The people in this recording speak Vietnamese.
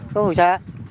có phù sa